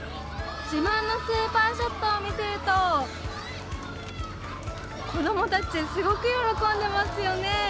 自慢のスーパーショットを見せると子どもたちすごく喜んでますよね。